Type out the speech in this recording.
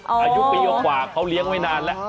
อายุปีกว่าเขาเลี้ยงไว้นานแล้ว